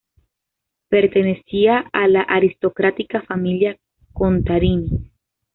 Pertenecía a la aristocrática familia Contarini.